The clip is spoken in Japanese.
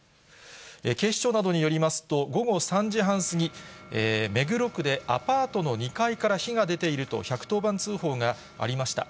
警視庁などによりますと、午後３時半過ぎ、目黒区でアパートの２階から火が出ていると１１０番通報がありました。